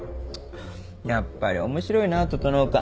やっぱり面白いな整君。